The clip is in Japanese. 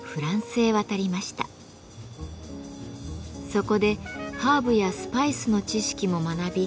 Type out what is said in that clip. そこでハーブやスパイスの知識も学び